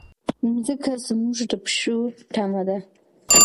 مځکه زموږ د پښو تمه ده.